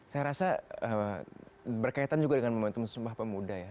saya rasa berkaitan juga dengan momentum sumpah pemuda ya